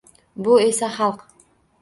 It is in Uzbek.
Bu esa xalq